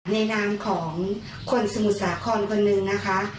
นามของคนสมุทรสาครคนหนึ่งนะคะ